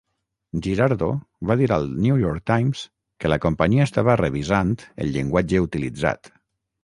Girardo va dir al "New York Times" que la companyia estava "revisant" el llenguatge utilitzat.